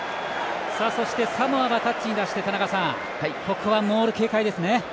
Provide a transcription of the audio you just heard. サモアがタッチに出して田中さんここはモール警戒ですね。